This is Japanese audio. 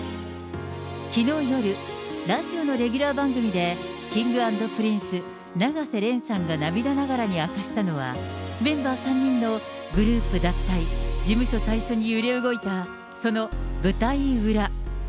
きのう夜、ラジオのレギュラー番組で、Ｋｉｎｇ＆Ｐｒｉｎｃｅ・永瀬廉さんが涙ながらに明かしたのは、メンバー３人のグループ脱会、事務所退所に揺れ動いた、その舞台裏。